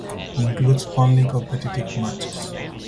Includes only competitive matches.